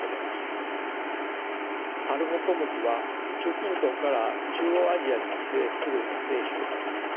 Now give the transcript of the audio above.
タルホコムギは中近東から中央アジアに自生する野生種です。